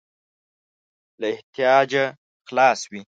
له احتیاجه خلاص وي.